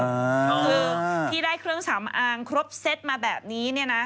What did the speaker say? คือที่ได้เครื่องสำอางครบเซตมาแบบนี้เนี่ยนะ